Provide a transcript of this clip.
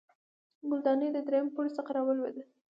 ګلدانۍ د دریم پوړ څخه راولوېده